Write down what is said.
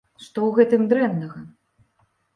Што ў гэтым дрэннага?